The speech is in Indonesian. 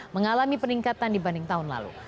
mengalami peningkatan dibanding tahun lalu